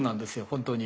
本当に。